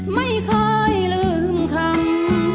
ไม่ค่อยลืมคำ